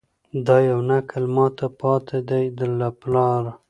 دا یو نکل ماته پاته دی له پلاره